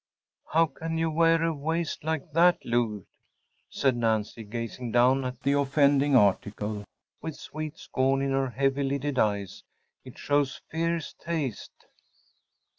‚ÄĚ “How can you wear a waist like that, Lou?‚ÄĚ said Nancy, gazing down at the offending article with sweet scorn in her heavy lidded eyes. “It shows fierce taste.